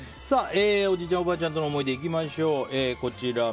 おじいちゃん・おばあちゃんとの思い出いきましょう。